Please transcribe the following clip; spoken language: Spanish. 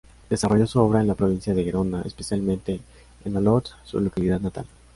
Desarrolló su obra en la provincia de Gerona, especialmente en Olot, su localidad natal.